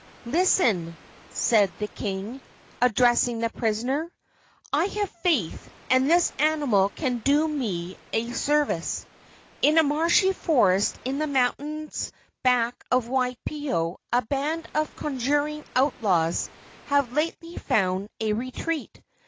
"Listen," said the king, addressing the prisoner. "I have faith that this animal can do me a service. In a marshy forest in the mountains back of Waipio a band of conjuring outlaws have lately found a retreat.